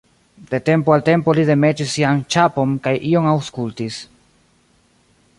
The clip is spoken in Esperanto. De tempo al tempo li demetis sian ĉapon kaj ion aŭskultis.